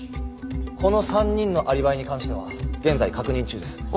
この３人のアリバイに関しては現在確認中です。